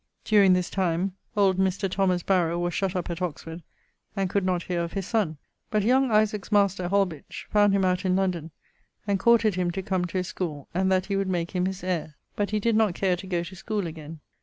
During this time old Mr. Thomas Barrow was shutt up at Oxford and could not heare of his sonne. But young Isaac's master, Holbitch, found him out in London and courted him to come to his schoole and that he would make him his heire. But he did not care to goe to schoole again.